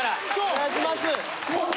・お願いします